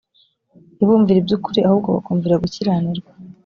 ntibumvire iby’ukuri ahubwo bakumvira gukiranirwa